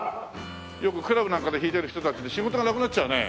よくクラブなんかで弾いてる人たち仕事がなくなっちゃうね。